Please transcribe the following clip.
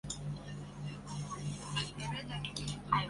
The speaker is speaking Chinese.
在法规与政府监管之外。